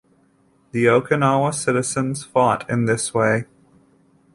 The Okinawa citizens fought in this way.